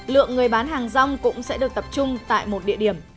lượng người bán hàng rong cũng sẽ được tập trung tại một địa điểm